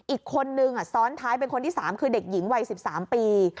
อีกคนนึงซ้อนท้ายเป็นคนที่๓คือเด็กหญิงวัย๑๓ปี